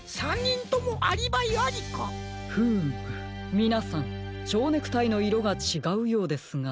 みなさんちょうネクタイのいろがちがうようですが。